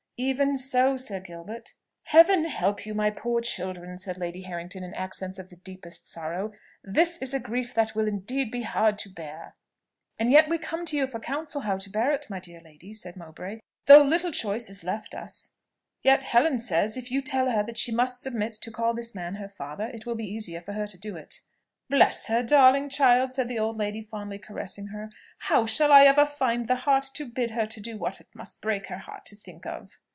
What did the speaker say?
"Even so, Sir Gilbert." "Heaven help you, my poor children!" said Lady Harrington in accents of the deepest sorrow; "this is a grief that it will indeed be hard to bear!" "And we come to you for counsel how to bear it, my dear lady," said Mowbray, "though little choice is left us. Yet, Helen says, if you tell her that she must submit to call this man her father, it will be easier for her to do it." "Bless her, darling child!" said the old lady, fondly caressing her; "how shall I ever find the heart to bid her do what it must break her heart to think of?"